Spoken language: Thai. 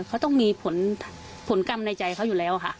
เขาต้องมีผลกรรมในใจเขาอยู่แล้วค่ะ